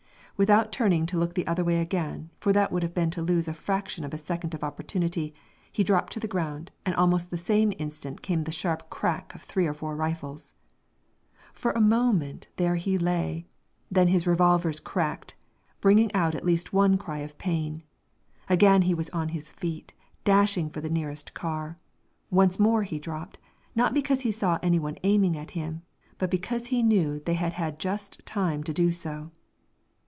Without turning to look the other way again, for that would have been to lose a fraction of a second of opportunity, he dropped to the ground and almost the same instant came the sharp crack of three or four rifles. For a moment there he lay; then his revolvers cracked, bringing out at least one cry of pain. Again he was on his feet, dashing for the nearest car. Once more he dropped, not because he saw any one aiming at him, but because he knew they had had just time to do so.